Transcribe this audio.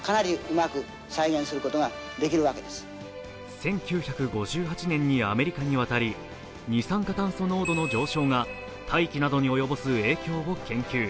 １９５８年にアメリカに渡り、二酸化炭素濃度の上昇が大気などに及ぼす影響を研究。